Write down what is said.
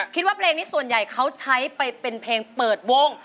เพลงนี้ส่วนใหญ่เขาใช้ไปเป็นเพลงเปิดวง